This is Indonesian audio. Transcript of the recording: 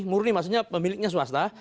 murni maksudnya pemiliknya swasta